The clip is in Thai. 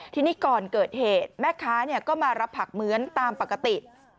ทีนี้ก่อนเกิดเหตุแม่ค้าก็มารับผักเหมือนตามปกติ